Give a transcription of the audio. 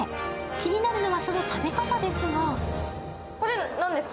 気になるのはその食べ方ですがこれ何ですか？